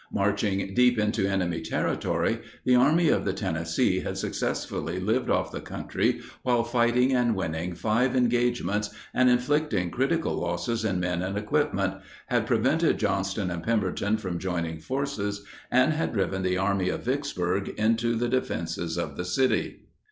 Marching deep into enemy territory, the Army of the Tennessee had successfully lived off the country while fighting and winning five engagements and inflicting critical losses in men and equipment, had prevented Johnston and Pemberton from joining forces, and had driven the Army of Vicksburg into the defenses of the city.